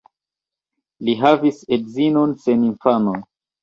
Li havis edzinon sen infanoj.